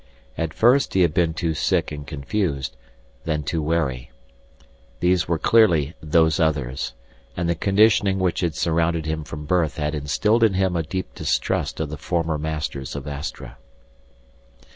At first he had been too sick and confused, then too wary. These were clearly Those Others and the conditioning which had surrounded him from birth had instilled in him a deep distrust of the former masters of Astra.